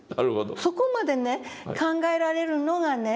そこまでね考えられるのがね